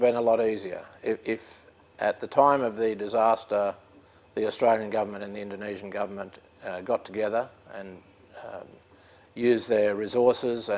pada saat kegagalan pemerintah australia dan indonesia berkumpul dan menggunakan sumber daya mereka